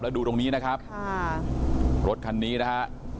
ดูตรงนี้นะครับค่ะรถคันนี้นะฮะ